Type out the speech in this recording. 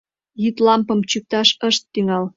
Йӱд лампым чӱкташ ышт тӱҥал.